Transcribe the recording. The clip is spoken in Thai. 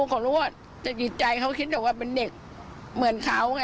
เค้ารู้ว่าจะกิจใจเค้าคิดว่ามันเด็กเหมือนเค้าไง